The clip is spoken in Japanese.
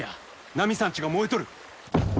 ナミさんちが燃えとる。